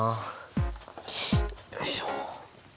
よいしょ。